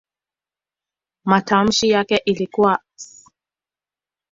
Matamshi yake ilikuwa "s".